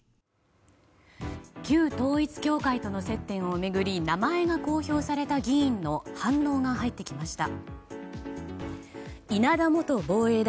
旧統一教会との接点を巡り名前が公表された議員の反応が入ってきました。